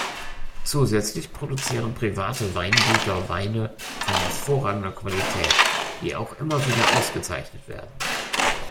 Zusätzlich produzieren private Weingüter Weine von hervorragender Qualität, die auch immer wieder ausgezeichnet werden.